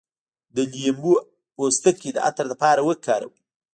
د لیمو پوستکی د عطر لپاره وکاروئ